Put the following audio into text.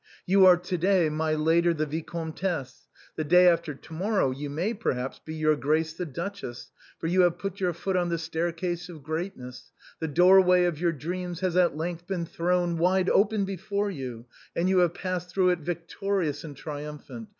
You are, to day, my lady the vi comtesse, the day alter to morrow you may, perhaps, be your grace the duchess, for you have put your foot on the stair case of greatness ; the doorway of your dreams has at length been thrown wide open before you, and you have passed through it victorious and triumphant.